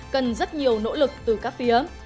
cần rất nhiều nỗ lực từ các phía